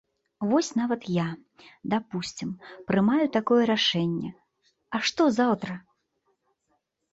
Вось нават я, дапусцім, прымаю такое рашэнне, а што заўтра?